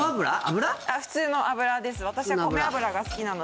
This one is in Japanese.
普通の油です